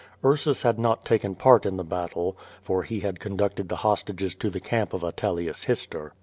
Ursus had not taken part in the battle, for he had conducted the hosta<(cs to the camp of Atelius Hister.